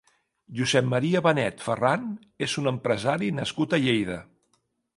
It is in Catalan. Josep Maria Benet Ferran és un empresari nascut a Lleida.